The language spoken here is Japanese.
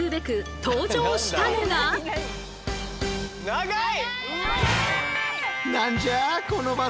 長い！